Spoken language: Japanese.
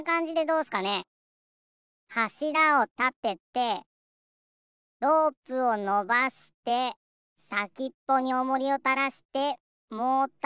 はしらをたててロープをのばしてさきっぽにおもりをたらしてモーターをまわせば。